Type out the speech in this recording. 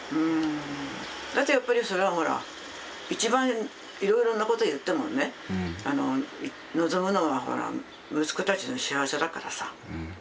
だってやっぱりそれはほら一番いろいろなことを言ってもね望むのは息子たちの幸せだからさ。